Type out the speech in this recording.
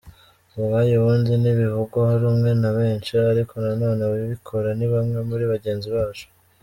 Ubwabyo ubundi ntibivugwaho rumwe na benshi, ariko nanone ababikora ni bamwe muri bagenzi bacu.